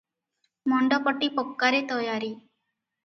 ମଣ୍ଡପଟି ପକ୍କାରେ ତୟାରି ।